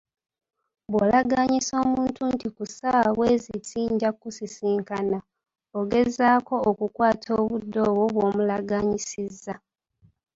Bw'olagaanyisa omuntu nti ku ssaawa bwe ziti nja kukusisinkana, ogezaako okukukwata obudde obwo bw'omulaganyiisizza?